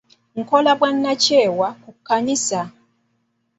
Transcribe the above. Nkola obwannakyewa ku kkanisa.